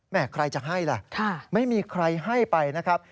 ใครจะให้ล่ะไม่มีใครให้ไปนะครับ